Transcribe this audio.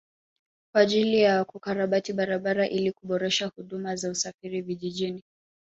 Kwa ajili ya kukarabati barabara ili kuboresha huduma za usafiri vijijini